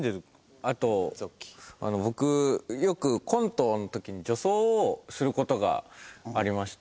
あと僕よくコントの時に女装をする事がありまして。